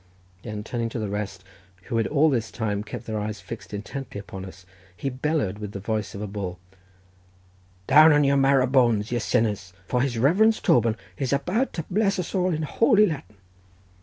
Then turning to the rest, who all this time had kept their eyes fixed intently upon us, he bellowed with the voice of a bull: "Down on your marrow bones, ye sinners, for his reverence Toban is about to bless us all in holy Latin."